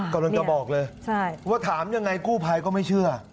กำลังจะบอกเลยว่าถามยังไงกู้ภัยก็ไม่เชื่อ